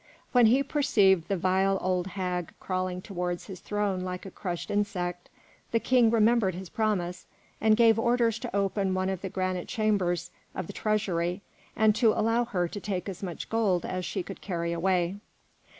When he perceived the vile old hag crawling towards his throne like a crushed insect, the King remembered his promise and gave orders to open one of the granite chambers of the treasury, and to allow her to take as much gold as she could carry away.